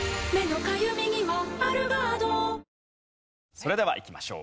それではいきましょう。